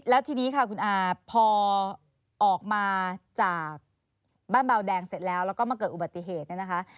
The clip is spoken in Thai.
แล้วทีนี้ค่ะคุณอาพอออกมาจากบ้านเบาแดงเสร็จแล้วแล้วก็มาเกิดอุบัติเหตุเนี่ยนะคะ